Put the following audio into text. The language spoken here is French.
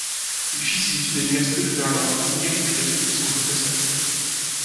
Il fit ses études à l'Université de Berlin où Dirichlet était son professeur.